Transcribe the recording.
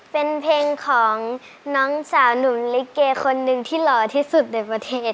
เป็นเพลงของน้องสาวหนูลิเกคนหนึ่งที่หล่อที่สุดในประเทศ